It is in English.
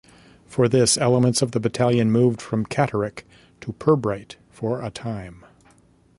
For this, elements of the battalion moved from Catterick to Pirbright for a time.